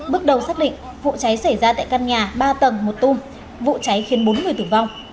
bước đầu xác định vụ cháy xảy ra tại căn nhà ba tầng một tung vụ cháy khiến bốn người tử vong